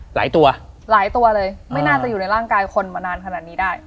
หลายตัวหลายตัวเลยไม่น่าจะอยู่ในร่างกายคนมานานขนาดนี้ได้